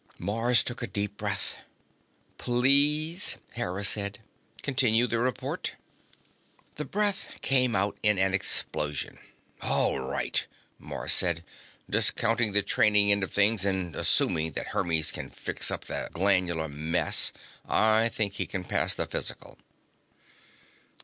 Mars took a deep breath. "Please," Hera said. "Continue the report." The breath came out in an explosion. "All right," Mars said. "Discounting the training end of things, and assuming that Hermes can fix up the glandular mess, I think he can pass the physical."